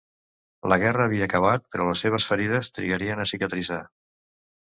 La guerra havia acabat, però les seves ferides trigarien a cicatritzar.